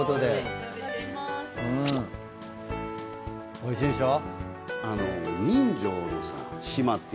おいしいでしょ？